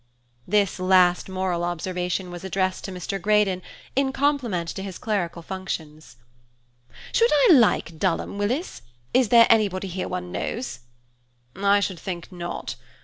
This last moral observation was addressed to Mr. Greydon in compliment to his clerical functions. "Should I like Dulham, Willis? Is there anybody here one knows?" "I should think not.